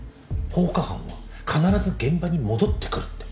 放火犯は必ず現場に戻ってくるって。